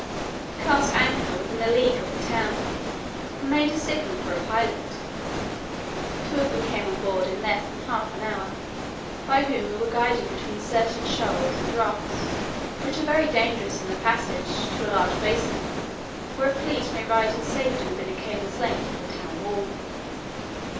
We cast anchor within a league of the town, and made a signal for a pilot. Two of them came on board in less than half an hour, by whom we were guided between certain shoals and rocks, which are very dangerous in the passage, to a large basin, where a fleet may ride in safety within a cable's length of the town wall.